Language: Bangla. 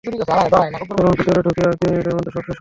চলুন ভিতরে ঢুকি আর দুই মিনিটের মধ্যে সব শেষ করি।